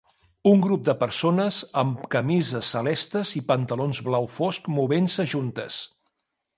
Un grup de persones amb camises celestes i pantalons blau fosc movent-se juntes